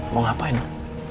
mau ngapain noh